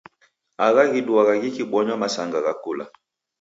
Agha ghiduagha ghikibonywa masanga gha kula.